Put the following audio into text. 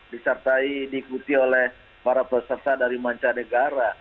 disertai diikuti oleh para peserta dari manca negara